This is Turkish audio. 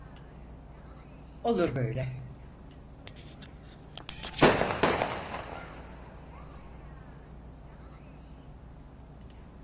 Olur böyle.